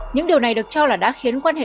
những điều này được cho là đã khiến quan hệ